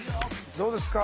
どうですか？